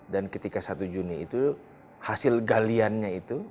dan ketika satu juni itu hasil galiannya itu